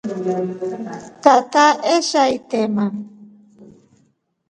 Tata eshi itema.